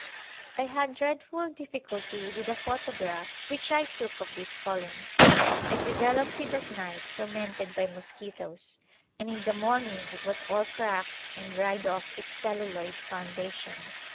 I had dreadful difficulty with a photograph which I took of these columns. I developed it at night, tormented by mosquitoes, and in the morning it was all cracked and dried off its celluloid foundation.